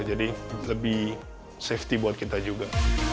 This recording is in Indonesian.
jadi lebih safety buat kita juga